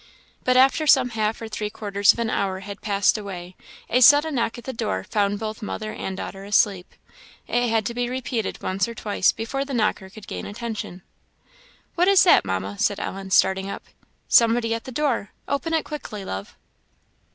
But after some half or three quarters of an hour had passed away, a sudden knock at the door found both mother and daughter asleep; it had to be repeated once or twice before the knocker could gain attention. "What is that, Mamma?" said Ellen, starting up. "Somebody at the door. Open it quickly, love."